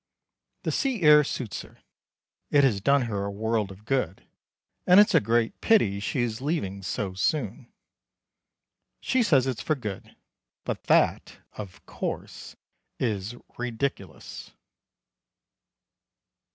The sea air suits her. It has done her a world of good, and it's a great pity she is leaving so soon she says it's for good; but that, of course, is ridiculous.